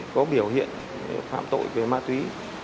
có biểu hiện phạm tội về ma túy